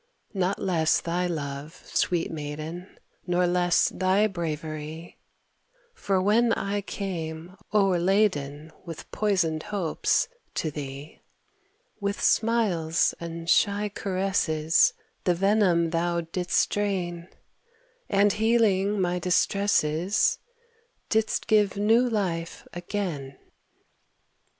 Not less thy love, sweet maiden, Nor less thy bravery, For when I came, o'erladen With poisoned hopes, to thee, With smiles and shy caresses The venom thou didst drain, And, healing my distresses, Didst give new life again.